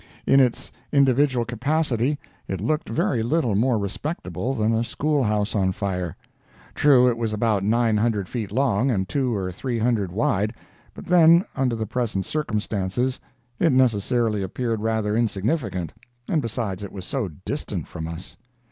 In its individual capacity it looked very little more respectable than a schoolhouse on fire. True, it was about nine hundred feet long and two or three hundred wide, but then, under the present circumstances, it necessarily appeared rather insignificant, and besides it was so distant from us.